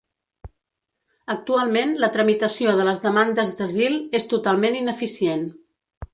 Actualment la tramitació de les demandes d’asil és totalment ineficient.